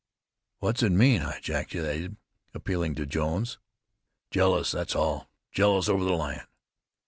"What's it mean?" I ejaculated, appealing to Jones. "Jealous, that's all. Jealous over the lion."